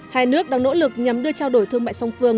hai nước đang nỗ lực nhằm đưa trao đổi thương mại song phương